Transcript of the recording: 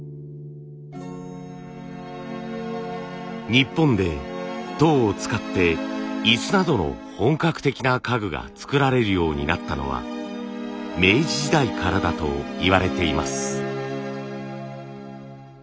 日本で籐を使って椅子などの本格的な家具が作られるようになったのは明治時代からだといわれています。